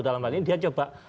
dalam hal ini dia coba